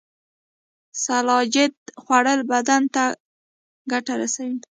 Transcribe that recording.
سلاجید خوړل بدن ته ګټه رسوي